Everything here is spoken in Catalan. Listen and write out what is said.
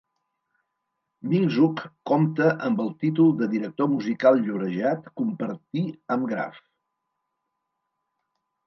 Minczuk compta amb el títol de director musical llorejat, compartir amb Graf.